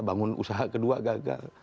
bangun usaha kedua gagal